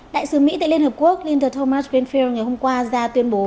đại sứ mỹ tại liên hợp quốc linda thomas bentfield ngày hôm qua ra tuyên bố